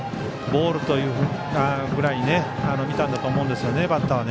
ボールというぐらいに見たんだと思うんですよね